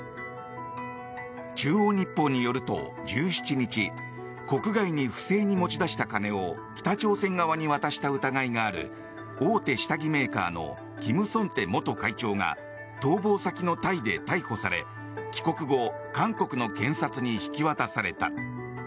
中央日報によると、１７日国外に不正に持ち出した金を北朝鮮側に渡した疑いがある大手下着メーカーのキム・ソンテ元会長が逃亡先のタイで逮捕され帰国後、韓国の検察に引き渡された。